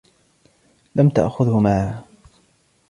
لم تأخذه معها